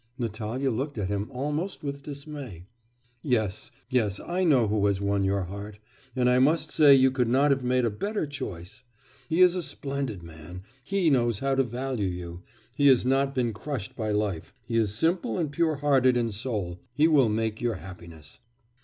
Natalya looked at him almost with dismay. 'Yes, yes, I know who has won your heart. And I must say that you could not have made a better choice. He is a splendid man; he knows how to value you; he has not been crushed by life he is simple and pure hearted in soul... he will make your happiness.